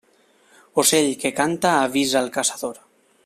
Ocell que canta avisa el caçador.